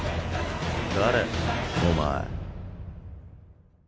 誰？お前。